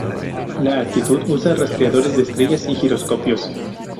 La actitud usa rastreadores de estrellas y giroscopios.